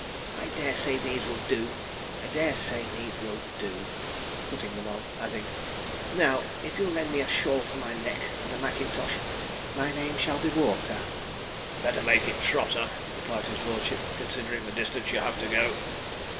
'I dare say these will do I dare say these will do,' putting them on; adding, 'Now, if you'll lend me a shawl for my neck, and a mackintosh, my name shall be Walker.' 'Better make it Trotter,' replied his lordship, 'considering the distance you have to go.'